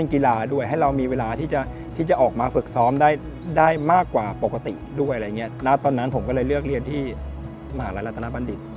มหาลัยรัฐนาปันดิษฐ์